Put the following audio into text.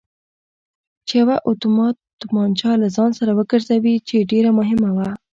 چې یوه اتومات تومانچه له ځان سر وګرځوي چې ډېره مهمه وه.